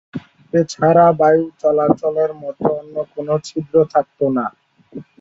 এছাড়া বায়ু চলাচলের মত অন্য কোন ছিদ্র থাকত না।